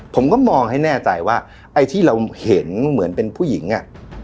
ผมก็มองให้แน่ใจว่าไอ้ที่เราเห็นเหมือนเป็นผู้หญิงอ่ะ